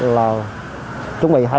là chuẩn bị